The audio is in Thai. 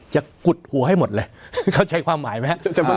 กุดหัวให้หมดเลยเข้าใจความหมายไหมครับ